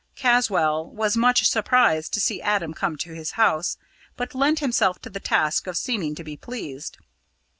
Caswall was much surprised to see Adam come to his house, but lent himself to the task of seeming to be pleased.